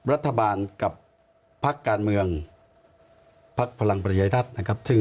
รัฐบาลกับพักกาลเมืองพักพลังประยัยรัฐ